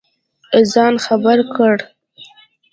ځان خبر کړ.